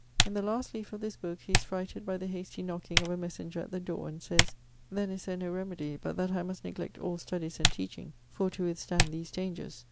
In the last leafe of this booke he is frighted by the hasty knocking of a messenger at the dore and sayes 'then is there no remedie but that I must neglect all studies and teaching for to withstand these dangers.